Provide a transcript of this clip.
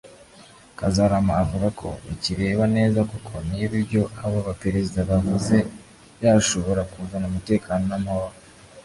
Kazarama avuga ko bakireba neza koko niba ibyo abo baperezida bavuze byashobora kuzana umutekano n’amahoro